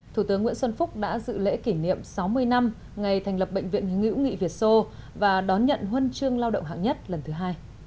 thủ tướng nguyễn xuân phúc đã dự lễ kỷ niệm sáu mươi năm ngày thành lập bệnh viện hữu nghị việt sô và đón nhận huân chương lao động hạng nhất lần thứ hai